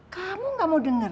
kamu nggak mau denger